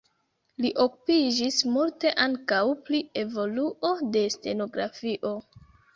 Li okupiĝis multe ankaŭ pri evoluo de stenografio.